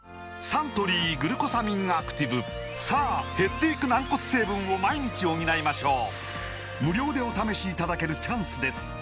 サントリー「グルコサミンアクティブ」さあ減っていく軟骨成分を毎日補いましょう無料でお試しいただけるチャンスです